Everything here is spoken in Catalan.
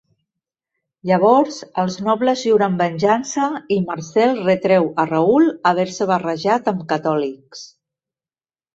Llavors, els nobles juren venjança i Marcel retreu a Raoul haver-se barrejat amb catòlics.